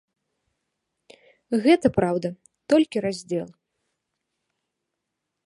Гэта, праўда, толькі раздзел.